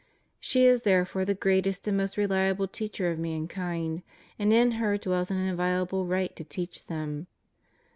She is therefore the greatest and most reliable teacher of mankind, and in her dwells an inviolable right to teach them.